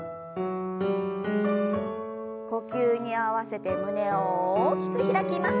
呼吸に合わせて胸を大きく開きます。